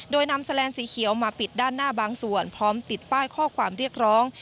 โดยนำแลนสีเขียวมาปิดด้านหน้าบางส่วนพร้อมติดป้ายข้อความเรียกร้อง